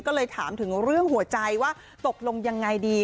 ก็เลยถามถึงเรื่องหัวใจว่าตกลงยังไงดี